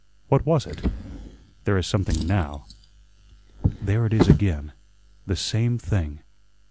What was it? There is something NOW. There it is again the same thing."